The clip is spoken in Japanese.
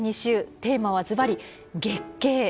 テーマはずばり「月経」です。